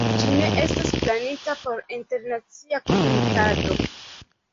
Ĝi ne estas planita por internacia komunikado.